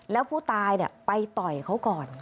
แล้วผู้ตายไปต่อยเขาก่อน